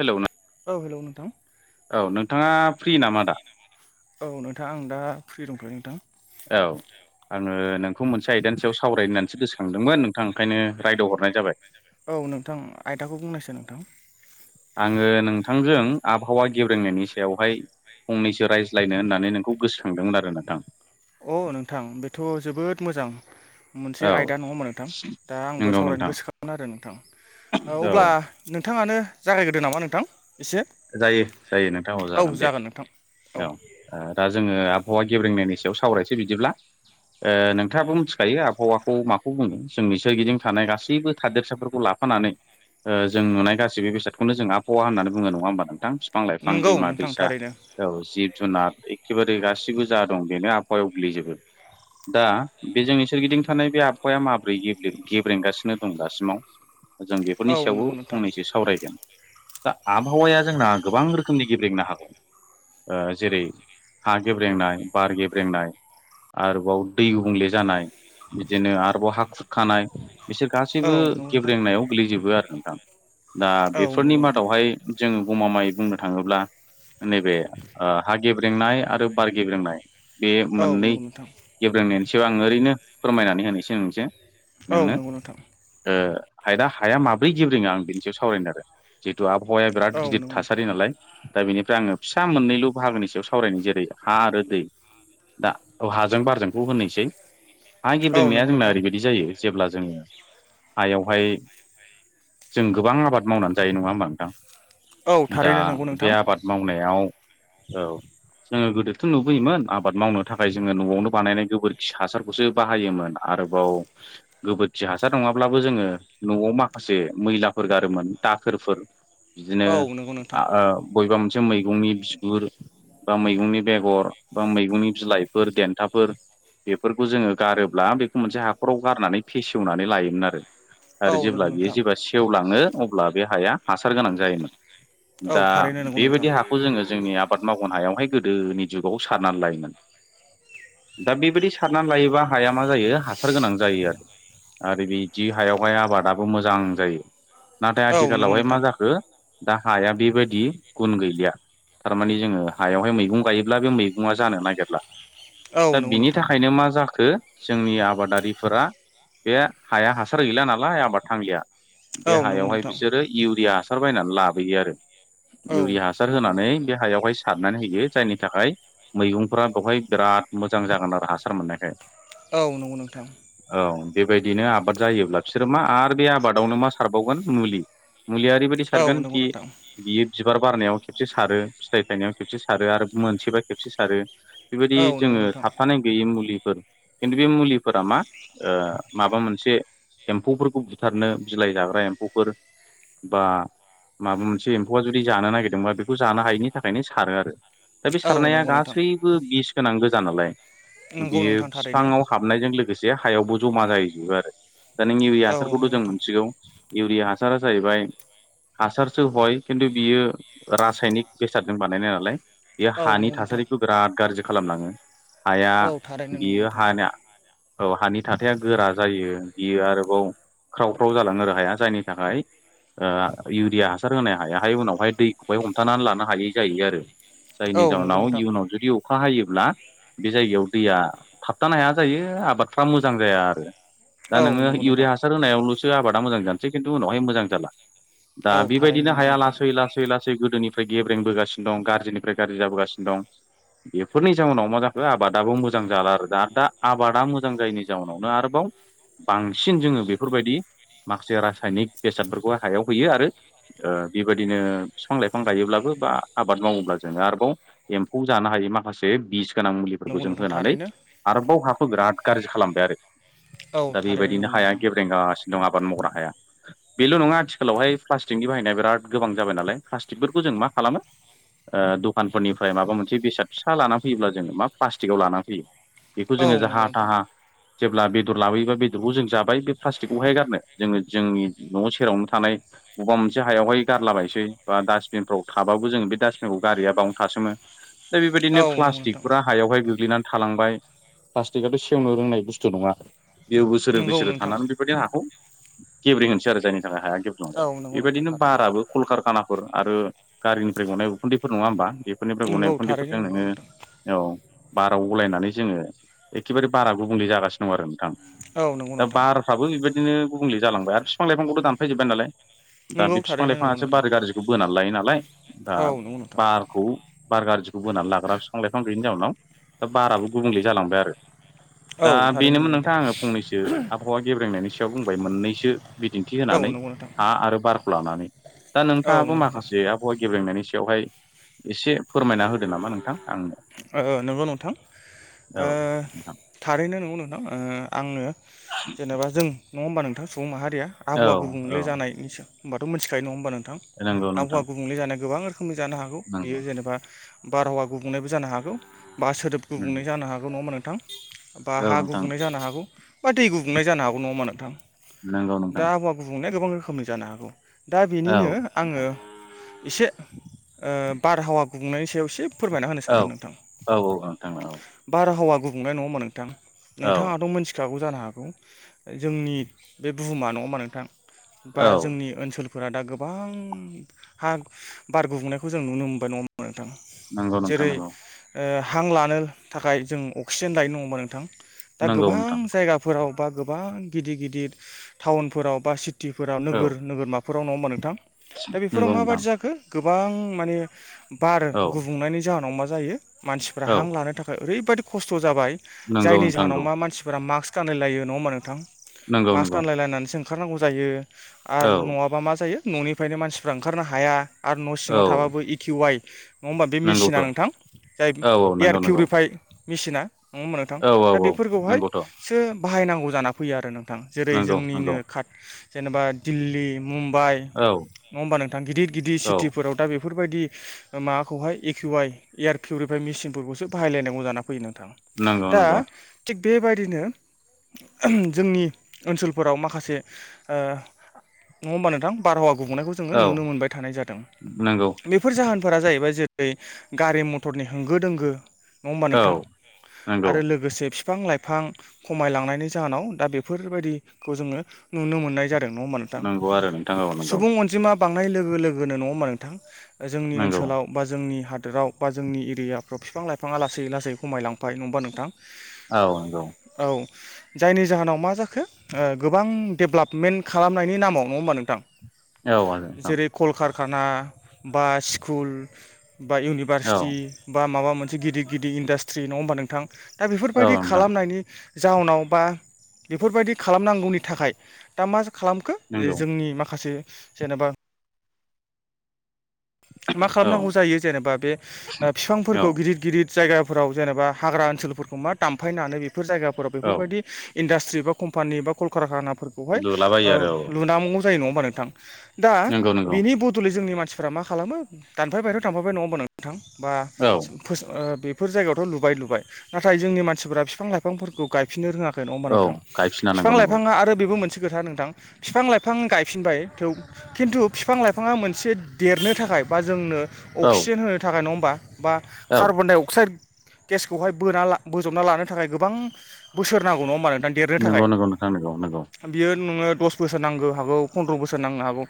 हेल' औ हेलौ नोंथां नोंथाङा फ्रि नामा दा औ नोंथां आं दा फ्रि दंथयो' नोंथां औ आङो नोंखौ मोनसे आयदानि सायाव सावरायनानैसो गोसोखांदोंमोन नोंथां ओंखायनो रायदाव' हरनाय जाबाय औ नोंथां आयदाखौ बुंनायसाय नोंथां आङो नोंथांजों आबहावा गेब्रोंनायनि सायावहाय फंनैसो रायज्लायनो होननानै नोंखौ गोसोखांदोंमोन आरो नोंथां अ नोंथां बेथ' जोबोद मोजां मोनसे औ आयदा नङा होमबा नोंथां दा आंबो नंगौ सावरायनो नोंथां गोसोखामोन आरो नोंथां औ अब्ला नोंथाङानो जागायग्रोदो नामा नोंथां एसे जायो जायो नोंथां औ जागोन दे औ दा जोङो आबहावा गेब्रोंनायनि सायाव सावरायसै बिदिब्ला [inaudible] नोंथाङाबो मिथिखायो आबहावाखौ माखौ बुङो जोंनि सोरगिदिं थानाय गासैबो थादेरसाफोरखौ लाफानानै जों नुनाय गासिबो बेसादखौनो जों आबहावा होननानै बुङो नङा नङा होमबा नोंथां बिफां लाइफां नंगौ दैमा नोंथां दैसा थारैनो औ जि जुनाद एखेबारे गासिबो जा दं बेनो आबहायाव गोग्लैजोबो दा बे जोंनि सोरगिदिं थानाय बे आबहावाया माब्रै गेब्रेंगासिनो दं दासिमाव जों औ बेफोरनि सायावबो नंगौ नोंथां फंनैसो सावरायगोन दा आ आबहावाया जोंना गोबां रोखोमनि गेब्लेंनो हागौ जेरै हा गेब्रेंनाय बार गेब्रेंनाय आरोबाव दै गुबुंले जानाय बिदिनो आरोबाव हाखुर खानाय बिसोर औ गासैबो नंगौ नोंथां गेब्रेंनायाव गोग्लैजोबो आरो नोंथां दा औ बेफोरनि नंगौ नोंथां मादावहाय जोङो गमामाय बुंनो थाङोब्ला नैबे हा गेब्रेंनाय आरो बार गेब्रेंनाय बे औ मोननै नंगौ नोंथां गेब्रें एसेबां आं ओरैनो फोरमायनानै होनोसै नोंसो औ नोंनो नंगौ नोंथां हायोना हाया माब्रै गेब्रोङा आं बेनि सायाव सावरायनो आरो जिहेतु आबहावाया बिराद औ गिदिर नंगौ नोंथां थासारि नालाय दा बेनिफ्राय आङो फिसा मोननैल' बाहागोनि सायाव सावरायनाय जेरै हा आरो दै दा औ हाजों बारजोंखौ होनोसै हा औ गेब्रेंनाया नंगौ जोंना नोंथां ओरैबायदि जायो जेब्ला जोङो हायावहाय जों गोबां आबाद मावनानै जायो नङा होमबा नोंथां औ दा थारैनो नंगौ बे नोंथां आबाद मावनायाव औ जोङो गोदोथ' नुबोयोमोन आबाद मावनो थाखाय जोङो न'आवनो बानायनाय गोबोरखि हासारखौसो बाहायोमोन आरोबाव गोबोरखि हासार नङाब्लाबो जोङो न'आव माखासे मैलाफोर गारोमोन दाखोरफोर बिदिनो औ नंगौ नोंथां बबेबा मोनसे मैगंनि बिगुर बा मैगंनि बेगर बा मैगंनि बिलाइफोर देन्थाफोर बेफोरखौ जोङो गारोब्ला बेखौ मोनसे हाखराव गारनानै फेसेवनानै लायोमोन आरो औ आरो नंगौ जेब्ला बियो नोंथां जेब्ला सेवलाङो अब्ला बे हाया हासार गोनां जायोमोन औ दा थारैनो नंगौ नोंथां बेबायदि हाखौ जोङो जोंनि आबाद माव गुबन हायावहाय गोदोनि जुगाव सारनानै लायोमोन दा बेबायदि सारनानै लायोबा हाया मा जायो हासार गोनां जायो आरो आरो बिदि हायावहाय आबादाबो मोजां जायो नाथाय औ नंगौ आथिखालावहाय नोंथां मा जाखो दा हाया बेबायदि गुन गैलिया थारमानिे जोङो हायावहाय मैगं गायोब्ला बे मैगङा जानो नागिरला औ दा नंगौ बिनि नोंथां थाखायनो मा जाखो जोंनि आबादारिफोरा बे हाया हासार गैला नालाय आबाद थांलिया बे औ नंगौ हायावहाय नोंथां बिसोरो इउरिया हासार बायनानै लाबोयो आरो औ इउरिया हासार नंगौ होनानै नोंथां बे हायावहाय सारनानै होयो जायनि थाखाय मैगंफ्रा बेवहाय बिराद मोजां जागोन आरो हासार मोननायखाय औ नंगौ नोंथां औ बेबायदिनो आबाद जायोब्ला बिसोरो मा आरो बे आबादावनो मा सारबावगोन मुलि मुलियारि औ सगोन नंगौ बि नोंथां बिबार बारनायाव खेबसे सारो फिथाइ फायनायाव खेबसे सारो आरो मोनसेबा खेबसे सारो बेबायदि औ नंगौ जोङो नोंथां थाबथानाय गैयै मुलि खिन्थु बे मुलिफोरा मा माबा मोनसे एम्फौफोरखौ बुथारनो बिलाइ जाग्रा एम्फौफोर बा माबा मोनसे एम्फौआ जुदि जानो नागिरदोंबा बेखौ जानो हायिनि थाखायनो सारो आरो दा बे औ सारनाया नंगौ नोंथां गासैबो बिस गोनां गोजा नालाय नंगौ बियो नोंथां थारैनो बिफाङाव हाबनायजों लोगोसे हायावबो जमा जाहैजोबो आरो दा नों इउरिया औ नंगौ हासारखौथ' जों नोंथां मोनथिगौ इउरिया हासारा जाहैबाय हासारसो हय खिन्थु बियो रासायनिक बेसादजों बानायनाय नालाय बेयो औ हानि नंगौ नोंथां थासारिखौ बिराद गाज्रि खालामलाङो हाया औ थारैनो नंगौ बियो नोंथां हाना औ हानि थाथाया गोरा जायो बियो आरोबाव ख्राव ख्राव जालाङनो र हाया जायनि थाखाय इउरिया हासार होनो हायाहाय उनावहाय दैखौहाय हमथानानै लानो हायै जायो आरो जायनि औ नंगौ जाहोनाव नोंथां इउनाव जुदि अखा हायोब्ला बे जायगायाव दैया थाबथानो हाया जायो आबादफ्रा मोजां जाया आरो दा औ नोङो नंगौ नोंथां इउरिया हासार होनायावल'सो आबादा मोजां जानोसै खिन्थु उनावहाय मोजां जाला दा औ थारैनो बेबायदिनो नंगौ हाया नोंथां लासै लासै लासै गोदोनि ओमफ्राय गेब्रेंबोगासिनो दं गाज्रिनिफ्राय गाज्रि जाबोगासिनो दं बेफोरनि जाउनाव मा जाखो आबादाबो मोजां जाला आरो दा दा आबादा मोजां जायैनि जाउनावनो आरोबाव बांसिन जोङो बेफोरबायदि माखासे रासायनिक बेसादफोरखौ हायाव फयो आरो बेबायदिनो बिफां लाइफां गायोब्लाबो बा आबाद मावोब्ला जोङो आरोबाव एम्फौ जानो हायो माखासे बिस गोनां मुलिफोरखौ नंगौ जों नोंथां होनानै थारैनो आरोबाव हाखौ बिराद गाज्रि खालामबाय आरो औ दा थारैनो बेबायदिनो नंगौ हाया नोंथां गेब्रेंगासिनो दं आबाद मावग्रा हाया। बेल' नङा आथि सोलावहाय प्लास्टिकनि बाहायनाय बिराद गोबां जाबाय नालाय प्लास्टिकफोरखौ जों मा खालामो दखानफोरनिफ्राय माबा मोनसे बेसाद फिसा लाना फैयोब्ला जोङो मा प्लास्टिकआव लाना फैयो बेखौ औ जोङो नंगौ जाहा नोंथां थाहा जेब्ला बेदर लाबोयोबा बेदरखौ जों जाबाय। बे प्लास्टिकखौ बहाय गारनो जोङो जोंनि न' सेरावनो थानाय बबेबा मोनसे हायावहाय गारलाबायसै बा डास्टबिनफ्राव थाबाबो जोङो बे डास्टबिनखौ गारैया बावनो था [unintelligible] दा औ बेबायदिनो नंगौ नोंथां प्लास्टिकफोरा हायावहाय गोग्लैना थालांबाय प्लास्टिकआथ' सेवनो रोंनाय बुस्थु नङा। [unintelligible] बोसोरो नंगौ बिसोरो नोंथां थानानै बेबायदि हाखौ गेब्रें होनोसै आरो जायनि थाखाय हाया बाय औ नंगौ नोंथां बेबायदिनो थारैनो बाराबो कलकारखानाफोर आरो गारिनिफ्राय गनाय उखुन्दैफोर नङा होमबा बेफोरनिफ्राय गनाय नंगौ थारैनो उखुन्दैफोरजों नंगौ नोङो नोंथां औ बाराव गलायनानै जोङो एखेबारे बारा गुबुंले जागासिनो दं आरो नोंथां औ नंगौ दा नोंथां बारफ्राबो बेबायदिनो गुबुंले जालांबाय आरो बिफां लाइफांखौथ' दानफैजोब्बाय नालाय दा नंगौ बे बिफां थारैनो नंगौ लाइफाङासो नोंथां बार गाज्रिखौ बोनानै लायो नालाय दा औ नंगौ नोंथां बारखौ बार गाज्रिखौ बोनानै लाग्रा बिफां लाइफां गैयिनि जाउनाव दा बाराबो गुबुंले जालांबाय आरो दा औ थारैनो बेनोमोन नंगौ नोंथां नोंथाङा आङो फंनैसो आबहावा गेब्रेंनायनि सायाव बुंबाय मोननैसो बिदिन्थि औ होनानै नंगौ नोंथां हा आरो बारखौ लानानै दा औ नोंथाङाबो नंगौ नोंथां माखासे आबहावा गेबेंनायनि सायाव बेवहाय एसे फोरमायना होदो नामा नोंथां आंनो। नंगौ नोंथां औ नोंथां थारैनो नंगौ नोंथां आङो जेनेबा जों नंङा होमबा नोंथां सुबुं माहारिया औ आबहावआ गुबुंले औ जानाय [unintelligible] होमबाथ' मिथिखायो नङा होमबा नोंथां। नंगौ आबहावा नोंथां गुबुंले जानाया गोबां रोखोमनि जानो हागौ। बियो नंगौ जेनेबा बारहावा गुबुंनायबो जानो हागौ बा सोदोब उम गुबुंनाय जानो हागौ नङा मोनगोन बा औ हा नोंथां गुबुंनाय जानो हागौ बा दै गुबुंनाय जानो हागौ नङा होमबा नोंथां नंगौ दा नोंथां आबहावआ गुबुंल गोबां रोखोमनि जानो हागौ दा औ बेनिनो आङो नोंथां एसे बारहावा गुबुंनायनि सायाव एसे फोरमायना होनो सानदों नोंथां औ औ औ नोथां औ हावा गुबुंले नङा नोंथां औ नोंथाङहाथ' मोनथि खिथागौ जानो हागौ जोंनि बे बुहुमा नङाहोमबा नोंथां बा औ जोंनि ओनसोल फोरा दा गोबां हा बार गुबुुंनायखौ जों नुनो मोनबाय नंङा मा थां नंगौ नोंथां जेरै नंगौ हां लानो थाखाय जों अक्सिजेन दायनो नंङ हबा नोंथां दा नंगौ गोबां नोंथां जायगाफोराव बा गोबां गिदिर गिदिर टाउनफोराव बा सिटिफोराव औ नोगोर नोगोरमाफोराव नङा होमबा नोंथां। दा बेफोराव नंगौ नोंथां माबादि जाखो गोबां माने बार औ गुबुंनायनि जाहोनाव मा जायो मानसिफोरा औ हां लानो थाखाय ओरैबायदि खस्थ' जाबाय नंगौ जायनि नोंथां जाहोनाव नंगौ मा मानसिफोरा मास्क मास्क गानलायलायो नंङा होमबा नोंथां नंगौ मास्क गानलायलायनानैसो ओंखारनांगौ जायो औ आरो नङाबा मा जायो न'निफ्रायनो मानसिफ्रा ओंखारनो हाया आरो न' सिङाव औ थाबाबो इटिवाइ नंङा होमबा बे मेसिना नंगौथ' नोंथां जाय औ औ एयार नंगौ नंगौ पिउरिफाय मेसिना नंङा मोननो थां औ औ दा औ नंगौथ' बेफोरखौहायसो बाहायनांगौ जाना फैयो आरो नों जेरै नंगौ जोंनिनो नंगौ खाट जेनेबा दिल्ली मुम्बाइ औ नङा होमबा नोंथां गिदिर गिदिर औ सिटिफोराव दा बे बेफोरबायदि माबाखौहाय एकिउ आइ एयार पिउरिफाइ मेसिनफोरखौसो बाहायलायनांगौ जा फैयो नों नंगौ दा नंगौ थिग बेबायदिनो [unintelligible] जोंनि ओनसोलफोराव माखासे ओ नङा होमबा नोंथां बारहावा गुबुंनायखौ जोङो औ नुनो मोनबाय थानाय जादों। नंगौ बेफोर जाहोनफोरा जाहैबाय जेरै गारि म फोरनि होंगो दोंगो नङा होमबा औ नोंथां नंगौ आरो लोगोसे बिफां लाइफां खमायलांनायनि जाहोनाव दा बेफोरबायदिखौ जोंङो नुनो मोननाय जादों नङा होनबा नोंथां। नंगौ आरो नोंथां औ नंगौ सुबुं अनजिमा बांनाय लोगो लोगोनो नंङा होमा नोंथां जोंनि नंगौ ओनसोलाव बा जोंनि हादोराव बा जोंनि एरियाफ्राव बिफां लाइफाङा लासै लासै खमायलांफ नङबा नोंथां औ न औ जायनि जाहोनाव मा जाखो गोबां डेभेलपमेन्ट खालामनायनि नामाव नङा होमबा नोंथां औ आ औ नोंथां खाना बा स्कुल बा औ इउनिभारसिटि बा माबा मोनसे गिदिर गिदिर इन्डास्ट्रि नङा होमबा नोंथां दा औ बेफोरबायदि नोंथां खालामनायनि जाउनाव बा बेफोरबायदि खालामनांगौनि थाखाय दा मा खालामखो नंगौ जोंनि माखासे जेनेबा मा औ खालामनांगौ जायो जेनेबा बे औ ‌बिफांफोरखौ गिदिर गिदिर जायगाफोराव जेनेबा हाग्रा ओनसोलफोरखौ मा दामफायनानै बेफोर जायगाफोराव औ बेफोरबायदि इडास्ट ट्रि बा कम्पानि बा कलकारखानाफोरखौहाय लुलाबायो आरो औ लुनानांगौ जायो नङा होमबा नोंथां दा नंगौ नंगौ बिनि बुदलै जोंनि मानसिफ्रा मा खालामो दानफाय बाहेर थांबाबाय नङा होन नोंथां बा औ फोस बे बेफोर जायगायावथ' लुबाय लुबाय नाथाय जोंनि मानसिफोरा बिफां लाइफांफोरखौ गायफिननो रोङाखै नङा होमबा औ नोंथां गायफिना नांगौ फिफां नंगौ लाइफां आरो मोनसे खोथा नोंथां फिफां लाइफां गा फिनबाय थव खिन्थु बिफां लाइफाङा मोनसे देरनो थाखाय बा जोंनो औ अक्सिजेन होनो थाखाय नङा होमबा बा औ कार्बन डाइ अक्साइड गेसखौहाय बोना बोजोबना लानो थाखाय गोबां बोसोर नांगौ नङा ओमबा नों थां देरनो थाखाय नंगौ नंगौ नोंथां नंगौ नंगौ बियो नोङो दस बोसोर नांनो हागौ फन्द्र बोसोर नांनो हागौ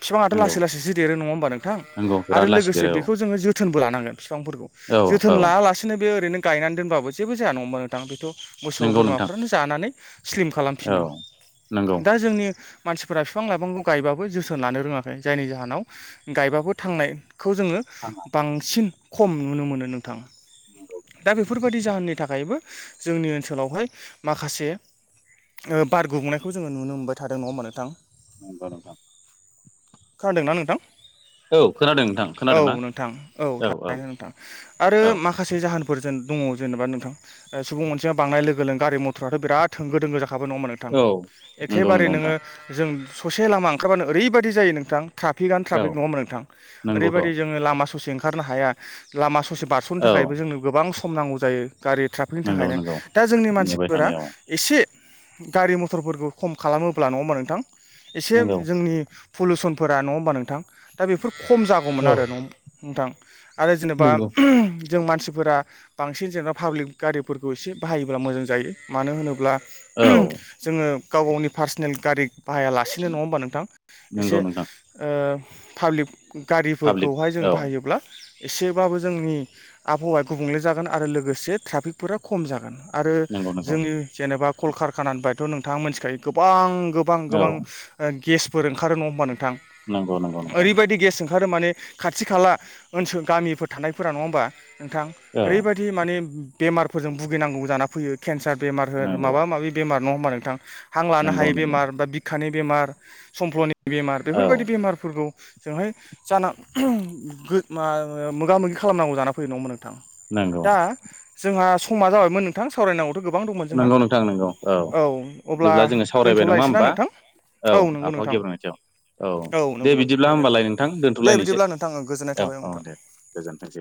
बिफांङाथ' नंगौ लासै लासैसो देरो नङा होमबा नों थां नंगौ आरो बिराद लासै लोगोसे देरो बेखौ जोङो जोथो जोथोनबो लानांगोन बिफांफोरखौ औ जोथोन औ लायालासेनो बे ओरैनो गायनानै दोनबाबो जेबो जाया नङा हबा नोंथां बेथ' मोसौ नंगौ नोंथां बोरमाफ्रानो जानानै स्लिम औ खालामफिनो नंगौ दा जोंनि मानसिफोरा बिफां लाइफांखौ गायबाबो जोथोन लानो रोङाखै जायनि जाहोनाव गायबाबो थांनाय खौ जोङो बांसिन खम नुनो मोनो नोंथां दा बेफोर बेबायदि जाहोननि थाखायबो जोंनि ओनसोलावहाय माखासे ओ बार गुबुंनायखौ जोङो नुनो मोनबाय थादों नङा होमबा नोंथां नंगौ नोंथां खोनादों ना नोंथां? औ खोनादों नोंथां औ खोनादोंना नोंथां औ थानाय नोंथां आरो औ माखासे जाहोन फोरजोन दङ जेनेबा नोंथां सुबुं मोनसे बांनाय लोगो गारि मथराथ' बिराद थोंगो दोंगो जाखा हाबो नङा ओमबा नोंथां औ नंगौ एखेबारे नंगौ नोङो नोंथां जों ससे लामा ओंखारबानो ओरैबायदि जायो नोंथां औ ट्राफिकआनोट्राफिक नङा ओमोन नोंथां नंगौथ' ओरैबायाददि जोंलामा ससे ओंखारनो हाया लामा ससे बारस'नो औ थाखायबो जोंनो गोबां सम नांगौ जायो। गारि ट्राफिकनि नंगौ थाखायनो नंगौ दा जोंनि नेबाय मानसिफोरा थानायाव एसे गारि मथरफोरखौ खम खालामोब्ला नङा होमा नोंथां एसे नंगौ जोंनि पलुसनफोरा नङा होमबा नोंथां दा बेफोर खम जागौमोन औ आरो नोंथां। आरो जेनेबा नंगौ जों मानसिफोरा बांसिन जेनेबा पाब्लिक गारिफोरखौ एसे बाहायोब्ला मोजां जायो मानो होनोब्ला औ जोङो गाव गावनि पार्सनेल गारि बाहायालासेनो नङा होमबा नोंथां नंगौ एसे नोंथां ओ पाब्लिक पाब्लिक गारिफोरखौहाय जों औ बाहायोब्ला एसेबाबो जोंनि आबहावाया गुबुंले जागोन आरो लोगोसे ट्राफिकफोरा खम जागोन। आरो नंगौ नंगौ जोंनि जेनेबा कलकारखानानिफाय बायथ' नोंथाङा मिथिखायो गोबां गोबां औ गोबां गेसफोर ओंखारो नङा होमबा नोंथां नंगौ नंगौ नोंथां ओरैबायदि गेस ओंखा खारो माने खाथि खाला ओनसोल गामिफोर थानायफोरा नङा होमबा नोंथां औ ओरैबायदि माने बेमारफोरजों भुगिनांगौ जाना फैयो केन्सार बेमार होन नंगौ माबा माबि बेमार नङा होमबा नोंथां हां लानो नंगौ हायै नंगौ बेमार बा बिखानि बेमार सम्फ्ल'नि बेमार औ बेफोरबायदि बेमार खौ जोंहाय जाना गो मा मोगा मोगि खालामनांगौ जाना फैयो नङा मबा थां नंगौ जोंहा समा जाबायमोन नोंथां सावरायनांगौ। थ' गोबां दंमोन जोंहा नंगौ नोंथां नंगौ औ अब्ला बिदिब्ला जोङो सावरायबाय नङा दोनथ'लायसै ना होमबा नोंथां? औ नंगौ आबहावा नोंथां गेब्रेंनायनि सायाव औ दे नंगौ नंगौ। बिदिब्ला थारैनो होमबालाय नोंथां दे दोनथ'लायनोसै बिदिब्ला नोंथां गोजोननाय औ थाबाय औ नोंथां। दे गोजोनथोंसै